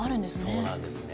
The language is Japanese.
そうなんですね。